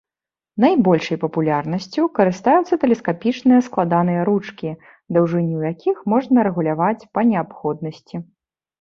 Найбольшай папулярнасцю карыстаюцца тэлескапічныя складаныя ручкі, даўжыню якіх можна рэгуляваць па неабходнасці.